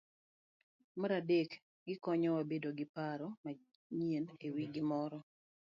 Mar adek, gikonyowa bedo gi paro manyien e wi gimoro.